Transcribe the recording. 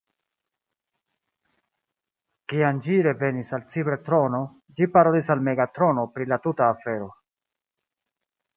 Kiam ĝi revenis al Cibertrono, ĝi parolis al Megatrono pri la tuta afero.